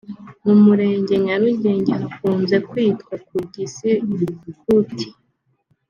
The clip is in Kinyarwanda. mu murenge Nyarugenge hakunze kwitwa ku Gisikuti